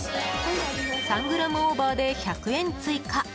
３ｇオーバーで１００円追加。